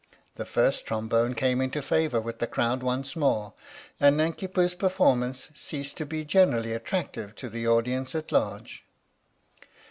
The First Trombone came into favour with the crowd once more, and Nanki Poo's performance ceased to be generally attractive to the audience at large.